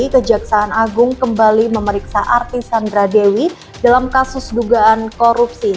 kejaksaan agung kembali memeriksa artis sandra dewi dalam kasus dugaan korupsi